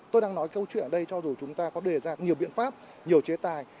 tôi đang nói câu chuyện ở đây cho dù chúng ta có đề ra nhiều biện pháp nhiều chế tài